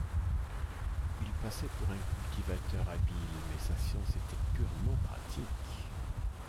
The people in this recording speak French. Il passait pour un cultivateur habile ; mais sa science était purement pratique.